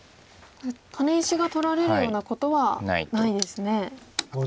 タネ石が取られるようなことはないですね。